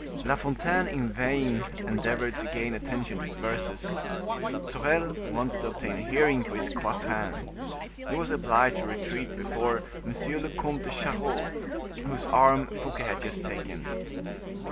La Fontaine in vain endeavored to gain attention to his verses; Sorel wanted to obtain a hearing for his quatrain. He was obliged to retreat before M. le Comte de Charost, whose arm Fouquet had just taken.